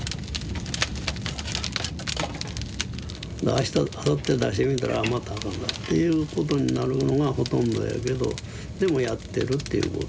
あしたあさって出してみたらああまたあかんかったっていうことになるのがほとんどやけどでもやってるっていうことですね。